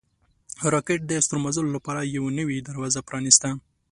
راکټ د ستورمزلو لپاره یوه نوې دروازه پرانیسته